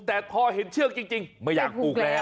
แต่พอเห็นเชือกจริงไม่อยากปลูกแล้ว